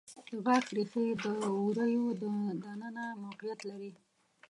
د غاښ ریښې د وریو د ننه موقعیت لري.